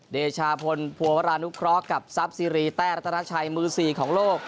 เดชาพลภัวรานุคร้อกับซับซีรีแต้รัตนาชัยมือ๔ของโลก